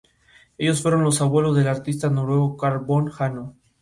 Ellos fueron los abuelos del artista noruego Carl von Hanno.